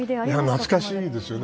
懐かしいですよね。